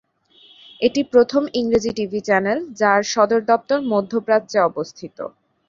এটি প্রথম ইংরেজি টিভি চ্যানেল যার সদর দপ্তর মধ্যপ্রাচ্যে অবস্থিত।